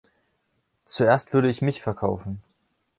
Zuerst würde ich mich verkaufen.